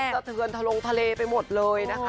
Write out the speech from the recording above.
สะเทือนทะลงทะเลไปหมดเลยนะคะ